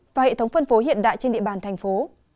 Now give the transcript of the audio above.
và hệ thống phân phối hiện đại trên địa bàn thành phố